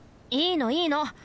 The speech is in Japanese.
いいのいいの！